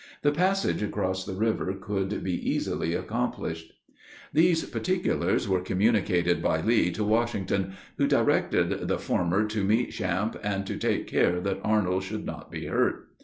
The passage across the river could be easily accomplished. These particulars were communicated by Lee to Washington, who directed the former to meet Champe, and to take care that Arnold should not be hurt.